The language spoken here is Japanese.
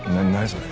それ。